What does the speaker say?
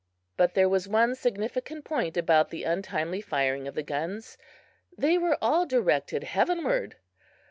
But there was one significant point about the untimely firing of the guns they were all directed heavenward!